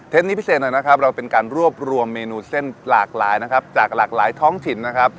นี้พิเศษหน่อยนะครับเราเป็นการรวบรวมเมนูเส้นหลากหลายนะครับจากหลากหลายท้องถิ่นนะครับ